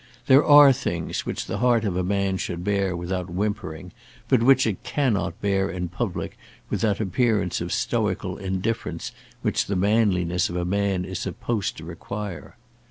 There are things which the heart of a man should bear without whimpering, but which it cannot bear in public with that appearance of stoical indifference which the manliness of a man is supposed to require.